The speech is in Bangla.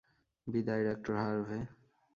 বিদায়, ডঃ হার্ভে।